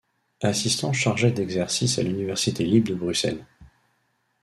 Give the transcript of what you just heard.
Assistant-chargé d'exercice à l'Université libre de Bruxelles.